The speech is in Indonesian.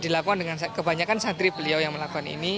dilakukan dengan kebanyakan santri beliau yang melakukan ini